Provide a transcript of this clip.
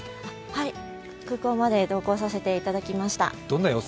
はい、空港まで同行させていただきました。